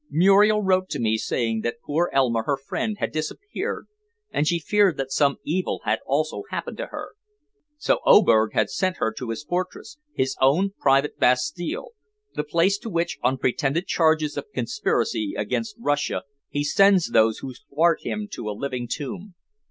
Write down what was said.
Muriel wrote to me saying that poor Elma, her friend, had disappeared, and she feared that some evil had also happened to her. So Oberg had sent her to his fortress his own private Bastille the place to which, on pretended charges of conspiracy against Russia, he sends those who thwart him to a living tomb."